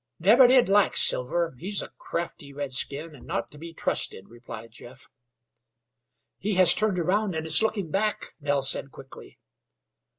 "Never did like Silver. He's a crafty redskin, an' not to be trusted," replied Jeff. "He has turned round and is looking back," Nell said quickly.